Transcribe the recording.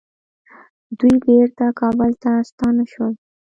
دوی بیرته کابل ته ستانه شول.